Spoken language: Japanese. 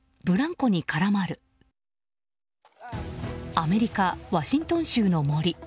アメリカ・ワシントン州の森。